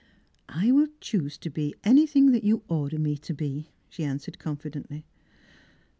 " I will choose to be anything that you order me to be," she answered confidently.